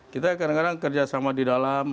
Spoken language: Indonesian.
kita kadang kadang kerjasama di dalam